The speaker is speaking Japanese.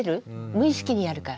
無意識にやるから。